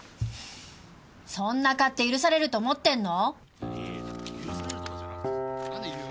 そんな勝手許されると思ってんの！？